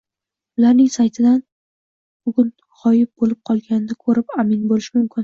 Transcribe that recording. ularning saytidan bugun g‘oyib bo‘lib qolganini ko‘rib amin bo‘lish mumkin